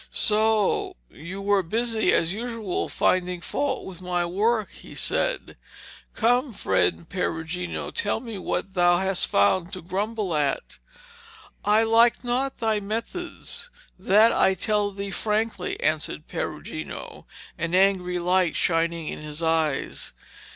'So you were busy as usual finding fault with my work,' he said. 'Come, friend Perugino, tell me what thou hast found to grumble at.' 'I like not thy methods, and that I tell thee frankly,' answered Perugino, an angry light shining in his eyes.